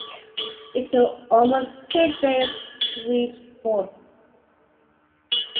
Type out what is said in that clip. It took almost two days to reach port.